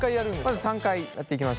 まず３回やっていきましょう。